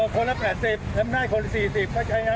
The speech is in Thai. คนละ๘๐แถมหน้าคนละ๔๐ก็ใช่ครับ